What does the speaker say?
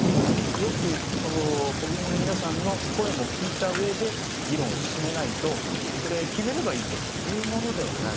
よく国民の皆さんの声も聞いたうえで議論を進めないとこれ、決めればいいというものではない。